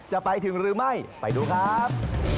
จะไปถึงหรือไม่ไปดูครับ